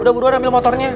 udah buruan ambil motornya